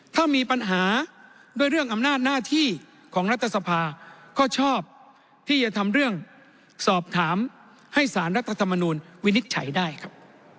ถ้ามีปัญหาด้วยเรื่องอำนาจหน้าที่ของรัฐสภาก็ชอบที่จะทำเรื่องสอบถามให้สารรัฐธรรมนูลวินิจฉัยได้ครับ